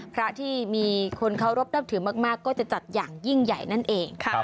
พระที่มีคนเคารพนับถือมากก็จะจัดอย่างยิ่งใหญ่นั่นเอง